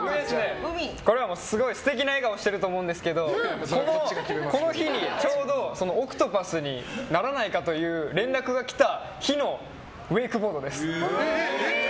これはすごい素敵な笑顔してると思うんですけどこの日にちょうどＯＣＴＰＡＴＨにならないかという連絡が来た日のウェークボードです。